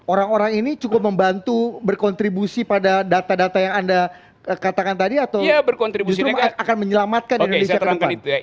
orang orang ini cukup membantu berkontribusi pada data data yang anda katakan tadi atau justru akan menyelamatkan indonesia ke depan